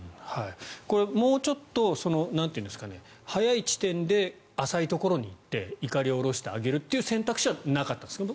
もうちょっと早い地点で浅いところに行っていかりを下ろして揚げるという選択肢はなかったんですかね。